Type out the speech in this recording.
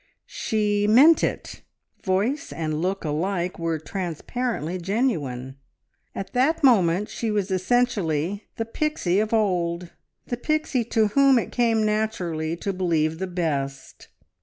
She meant it! Voice and look alike were transparently genuine. At that moment she was essentially the Pixie of old, the Pixie to whom it came naturally to believe the best.